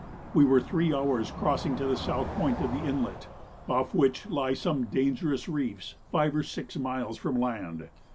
We were three hours crossing to the south point of the inlet, off which lie some dangerous reefs five or six miles from land.